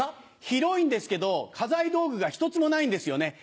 広いんですけど家財道具が１つもないんですよね。